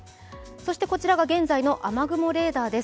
そしてこちらが現在の雨雲レーダーです。